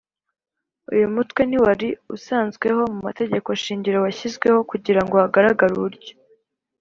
Uyu mutwe ntiwari usanzweho mu mategeko shingiro Washyizweho kugirango hagaragare uburyo